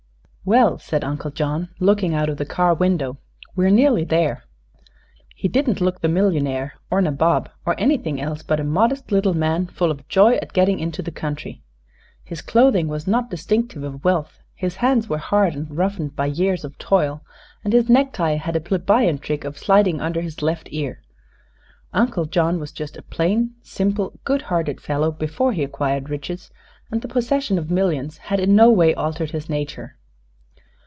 "Well," said Uncle John, looking out of the car window, "we're nearly there." He didn't look the millionaire, or nabob, or anything else but a modest little man full of joy at getting into the country. His clothing was not distinctive of wealth, his hands were hard and roughened by years of toil, and his necktie had a plebeian trick of sliding under his left ear. Uncle John was just a plain, simple, good hearted fellow before he acquired riches, and the possession of millions had in no way altered his nature.